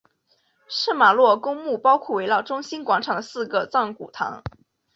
圣玛洛公墓包括围绕中心广场的四个藏骨堂。